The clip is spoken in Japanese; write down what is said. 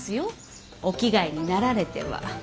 お着替えになられては。